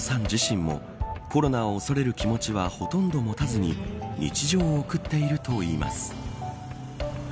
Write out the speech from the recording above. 自身もコロナを恐れる気持ちはほとんど持たずに日常を送っているといいます。